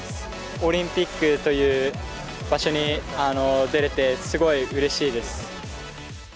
オリンピックという場所に出れて、すごいうれしいです。